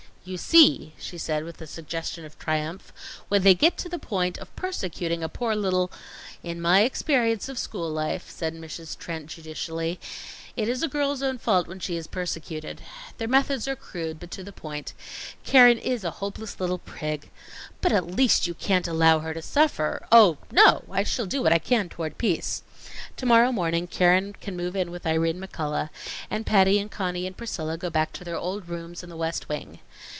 "You see!" she said, with a suggestion of triumph, "when they get to the point of persecuting a poor little " "In my experience of school life," said Mrs. Trent judicially, "it is a girl's own fault when she is persecuted. Their methods are crude, but to the point. Keren is a hopeless little prig " "But at least you can't allow her to suffer " "Oh, no, I shall do what I can toward peace. To morrow morning, Keren can move in with Irene McCullough, and Patty and Conny and Priscilla go back to their old rooms in the West Wing.